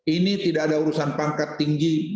ini tidak ada urusan pangkat tinggi